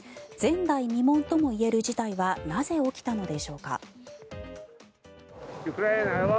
前代未聞とも言える事態はなぜ、起きたのでしょうか。